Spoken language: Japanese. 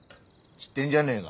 知ってんじゃねえが？